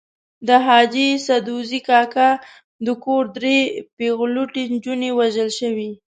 د حاجي سدوزي کاکا د کور درې پېغلوټې نجونې وژل شوې.